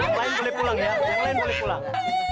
lain boleh pulang ya yang lain boleh pulang